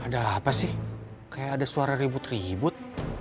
ada apa sih kayak ada suara ribut ribut